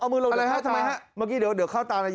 เอามือลงตาเดี๋ยวเข้าตานายก